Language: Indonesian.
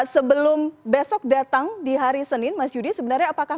sebelum besok datang di hari senin mas yudi sebenarnya apakah